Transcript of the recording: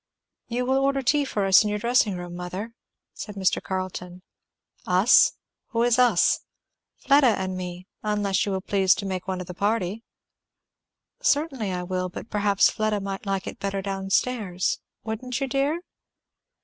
"You will order tea for us in your dressing room, mother?" said Mr. Carleton. "Us who is us?" "Fleda and me, unless you will please to make one of the party." "Certainly I will, but perhaps Fleda might like it better down stairs. Wouldn't you, dear?"